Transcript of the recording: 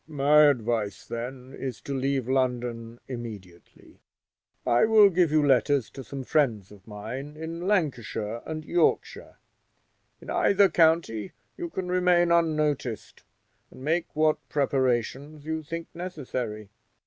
"My advice, then, is to leave London immediately. I will give you letters to some friends of mine in Lancashire and Yorkshire; in either county you can remain unnoticed, and make what preparations you think necessary.